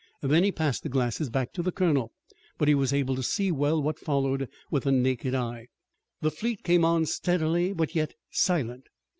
Then he passed the glasses back to the colonel, but he was able to see well what followed with the naked eye. The fleet came on, steady, but yet silent.